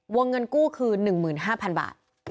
วงเงินกู้คือ๑๕๐๐๐บาท